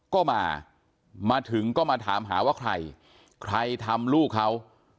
ก็มามาถึงก็มาถามหาว่าใครใครทำลูกเขา